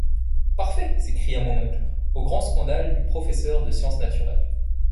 Parfait ! s’écria mon oncle, au grand scandale du professeur de sciences naturelles.